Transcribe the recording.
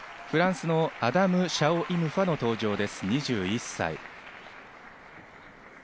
フランスのアダム・シャオ・イム・ファの登場です、２１歳。